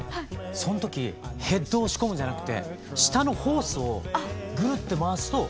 そん時ヘッドを押し込むんじゃなくて下のホースをグルッて回すと止まるんですよ。